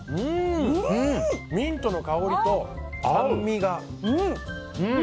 ミントの香りと酸味が。